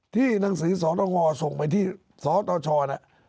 ที่หนังสือสตงส่งไปที่สตชน่ะ